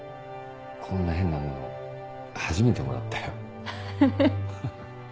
こんな変なもの初めてもらったよ。